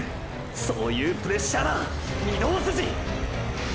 そういうプレッシャーだ御堂筋！！